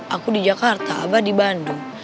aku di jakarta abah di bandung